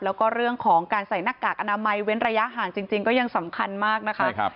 แล้วก็เรื่องของการใส่หน้ากากอนามัยเว้นระยะห่างจริงก็ยังสำคัญมากนะคะ